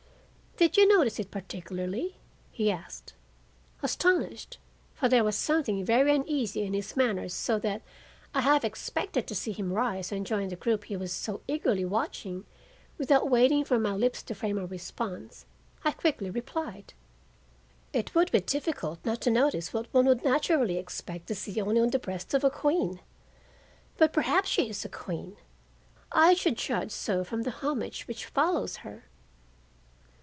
"Did you notice it particularly?" he asked. Astonished, for there was something very uneasy in his manner so that I half expected to see him rise and join the group he was so eagerly watching without waiting for my lips to frame a response, I quickly replied: "It would be difficult not to notice what one would naturally expect to see only on the breast of a queen. But perhaps she is a queen. I should judge so from the homage which follows her."